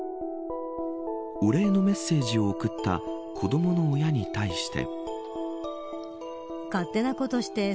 お礼のメッセージを送った子どもの親に対して。